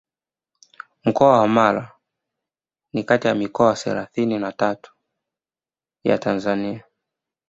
Mkoa wa Mara ni kati ya mikoa thelathini na tatu ya Tanzania